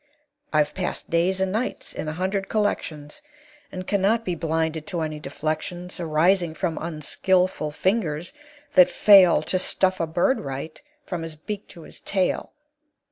I've passed days and nights in a hundred collections, And can not be blinded to any deflections Arising from unskilful fingers that fail To stuff a bird right, from his beak to his tail.